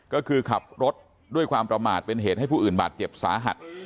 ก็คือขับรถด้วยความประมาทเป็นเหตุให้ผู้อื่นบาดเจ็บสาหัส